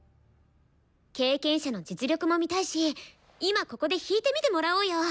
経験者の実力も見たいし今ここで弾いてみてもらおうよ。